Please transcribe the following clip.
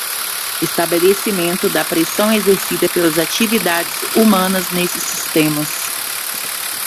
Estabelecimento da pressão exercida pelas atividades humanas nesses sistemas.